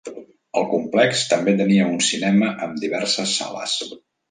El complex també tenia un cinema amb diverses sales.